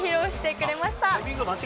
ばれました。